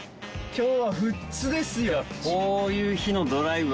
今日は富津ですよ！